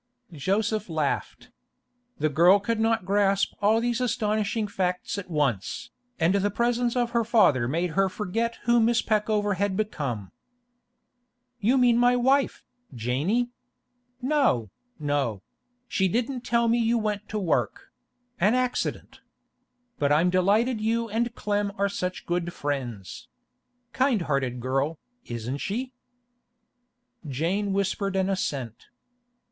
Joseph laughed. The girl could not grasp all these astonishing facts at once, and the presence of her father made her forget who Miss Peckover had become. 'You mean my wife, Janey! No, no; she didn't tell me you went to work;—an accident. But I'm delighted you and Clem are such good friends. Kind hearted girl, isn't she?' Jane whispered an assent.